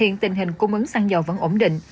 hiện tình hình cung ứng xăng dầu vẫn ổn định